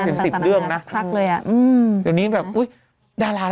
สิบเรื่องนะทักเลยอ่ะอืมเดี๋ยวนี้แบบอุ้ยดารา